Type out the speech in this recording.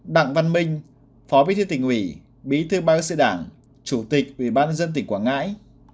đặng văn minh phó bí thư tỉnh ủy bí thư bang sư đảng chủ tịch ủy ban dân tỉnh quảng ngãi